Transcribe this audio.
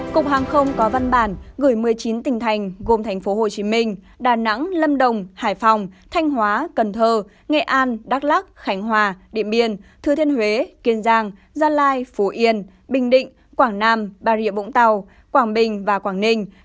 cục hàng không có văn bản gửi một mươi chín tỉnh thành gồm thành phố hồ chí minh đà nẵng lâm đồng hải phòng thanh hóa cần thơ nghệ an đắk lắc khánh hòa điện biên thứ thiên huế kiên giang gia lai phú yên bình định quảng nam bà rịa bỗng tàu quảng bình và quảng ninh